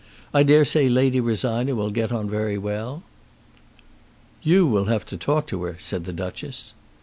I dare say Lady Rosina will get on very well." "You will have to talk to her," said the Duchess.